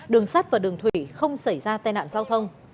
đường sắt và đường thủy không xảy ra tai nạn giao thông